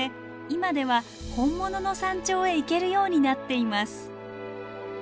今では本物の山頂へ行けるようになっています。